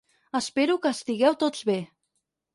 Espero que estigueu tots bé.